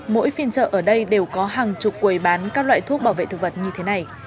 mỗi phiên chợ ở đây đều có hàng chục quầy bán các loại thuốc bảo vệ thực vật như thế này